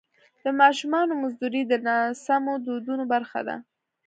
د ماشومانو مزدوري د ناسمو دودونو برخه ده.